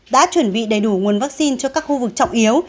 đã chuẩn bị đầy đủ nguồn vaccine cho các khu vực trọng yếu